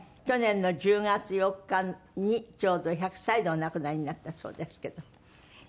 去年の１０月４日にちょうど１００歳でお亡くなりになったそうですけど。